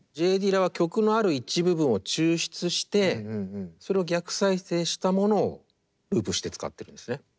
Ｊ・ディラは曲のある一部分を抽出してそれを逆再生したものをループして使ってるんですね。